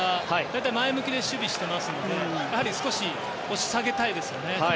大体前向きで守備していますのでやはり少し押し下げたいですよね。